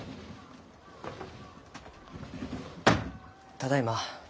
ただいま。